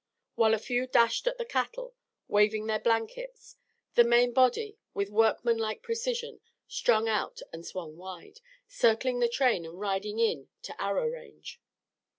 While a few dashed at the cattle, waving their blankets, the main body, with workman like precision, strung out and swung wide, circling the train and riding in to arrow range.